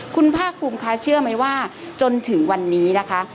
คุณภาคภูมิคะเชื่อไหมว่าจนถึงวันนี้นะคะ